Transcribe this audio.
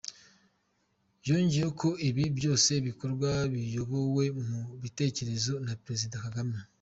Yongeyeho ko ibi byose bikorwa biyobowe mu bitekerezo na Perezida Kagame.